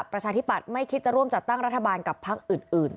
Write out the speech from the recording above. ประชาธิปัตย์ไม่คิดจะร่วมจัดตั้งรัฐบาลกับพักอื่น